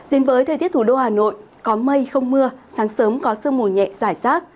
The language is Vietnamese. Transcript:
đến với thời tiết thủ đô hà nội có mây không mưa sáng sớm có sương mù nhẹ giải rác